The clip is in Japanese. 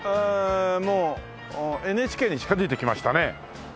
もうＮＨＫに近づいてきましたね。